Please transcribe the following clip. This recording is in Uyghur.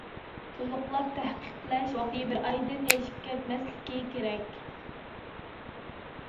تولۇقلاپ تەھقىقلەش ۋاقتى بىر ئايدىن ئېشىپ كەتمەسلىكى كېرەك.